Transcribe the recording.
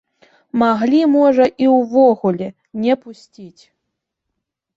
Маглі, можа, і ўвогуле не пусціць!